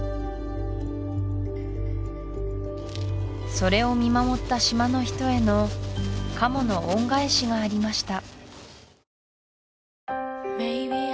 それを見守った島の人へのカモの恩返しがありました